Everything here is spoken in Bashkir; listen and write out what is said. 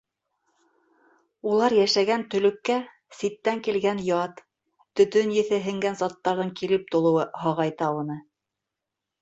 Улар йәшәгән төлөккә ситтән килгән ят, төтөн еҫе һеңгән заттарҙың килеп тулыуы һағайта уны.